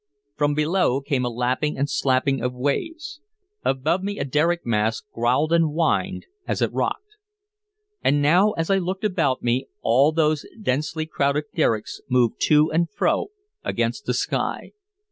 From below came a lapping and slapping of waves. Above me a derrick mast growled and whined as it rocked. And now as I looked about me all those densely crowded derricks moved to and fro against the sky.